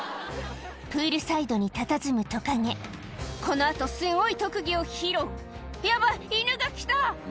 プールサイドにたたずむトカゲこの後すごい特技を披露「ヤバい犬が来た」